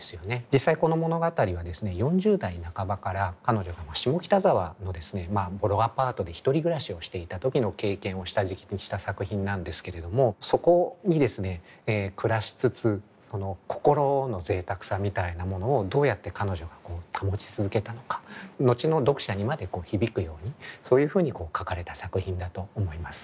実際この物語はですね４０代半ばから彼女は下北沢のボロアパートで１人暮らしをしていた時の経験を下敷きにした作品なんですけれどもそこにですね暮らしつつその心の贅沢さみたいなものをどうやって彼女が保ち続けたのか後の読者にまで響くようにそういうふうに書かれた作品だと思います。